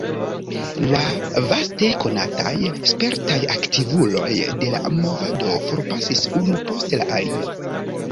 La vaste konataj, spertaj aktivuloj de la movado forpasis unu post la alia.